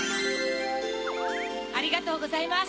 ありがとうございます